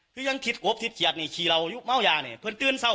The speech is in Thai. ที่ยังทิศกบทิศเกียจนี่ชีเรายุคเม้ายานี่เพื่อนเตือนเศร้า